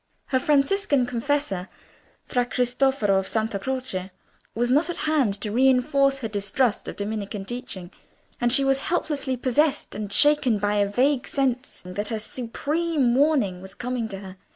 Her Franciscan confessor, Fra Cristoforo, of Santa Croce, was not at hand to reinforce her distrust of Dominican teaching, and she was helplessly possessed and shaken by a vague sense that a supreme warning was come to her.